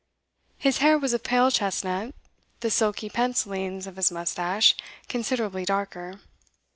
His hair was of pale chestnut, the silky pencillings of his moustache considerably darker.